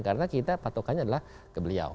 karena kita patokannya adalah ke beliau